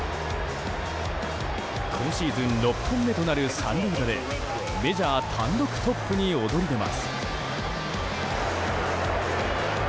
今シーズン６本目となる三塁打でメジャー単独トップに躍り出ます。